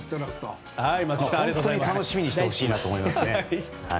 楽しみにしてほしいなと思います。